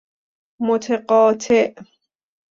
متقاطع